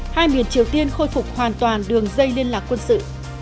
hai miền triều tiên khôi phục hoàn toàn đường dây liên lạc quân sự